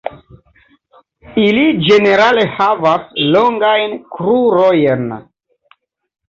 Ili ĝenerale havas longajn krurojn.